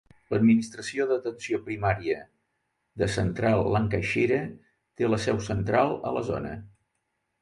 L'Administració d'atenció primària de Central Lancashire té la seu central a la zona.